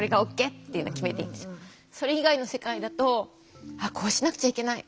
それ以外の世界だと「ああこうしなくちゃいけない」